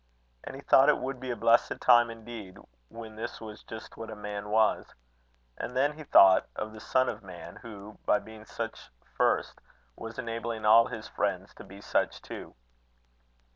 And he thought it would be a blessed time indeed, when this was just what a man was. And then he thought of the Son of Man, who, by being such first, was enabling all his friends to be such too.